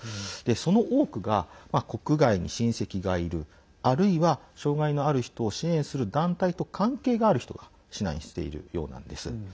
その多くが国外に親戚がいるあるいは、障害のある人を支援する団体と関係がある人が避難しているようなんです。